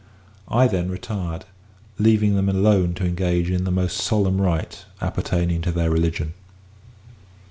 I then retired, leaving them alone to engage in the most solemn rite appertaining to their religion.